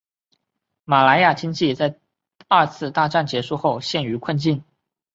马来亚经济在二次大战结束后陷于困境。